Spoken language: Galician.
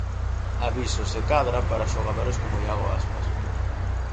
Aviso, se cadra, para xogadores como Iago Aspas.